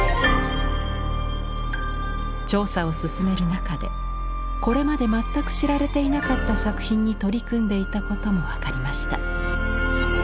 調査を進める中でこれまで全く知られていなかった作品に取り組んでいたことも分かりました。